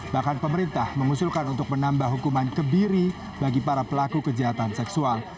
bahkan pemerintah mengusulkan untuk menambah hukuman kebiri bagi para pelaku kejahatan seksual